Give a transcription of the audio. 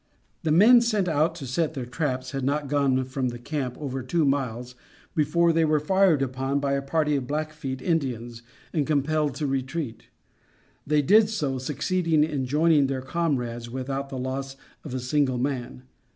The men sent out to set their traps had not gone from the camp over two miles before they were fired upon by a party of Blackfeet Indians and compelled to retreat. They did so, succeeding in joining their comrades without the loss of a single man.